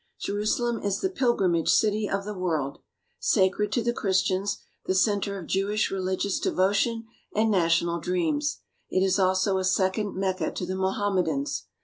Jerusalem is the pil grimage city of the world. Sacred to the Christians, the centre of Jewish religious devotion and national dreams, it is also a second Mecca to the Mohammedans.